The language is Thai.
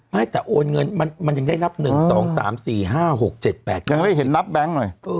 ให้แต่โอนเงินมันยังได้นับ๑๒๓๔๕๖๗๘ยังไม่เห็นนับแบงค์หน่อย